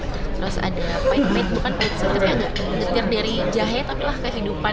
terus ada pait pait bukan pait pait tapi agak getir dari jahe tapi lah kehidupan